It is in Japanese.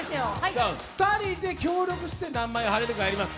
２人で協力して何枚貼れるかやります。